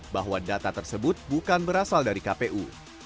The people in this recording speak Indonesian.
bahwa data tersebut bukan berasal dari kpu